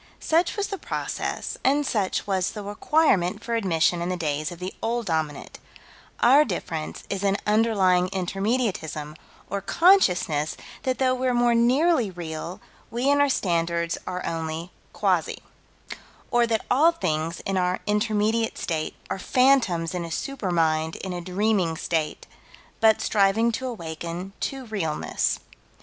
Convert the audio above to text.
Such was the process, and such was the requirement for admission in the days of the Old Dominant: our difference is in underlying Intermediatism, or consciousness that though we're more nearly real, we and our standards are only quasi Or that all things in our intermediate state are phantoms in a super mind in a dreaming state but striving to awaken to realness.